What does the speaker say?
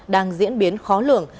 đang diễn biến khó lường